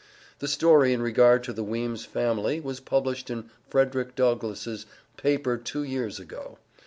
The story in regard to the Weems' family was published in Frederick Douglass' paper two years ago.